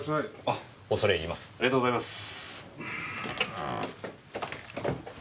ありがとうございます。